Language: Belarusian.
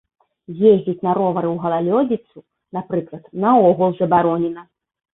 Ездзіць на ровары ў галалёдзіцу, напрыклад, наогул забаронена.